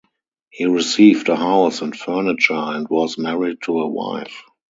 He received a house and furniture and was married to a wife.